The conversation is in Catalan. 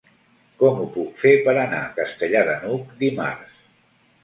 Com ho puc fer per anar a Castellar de n'Hug dimarts?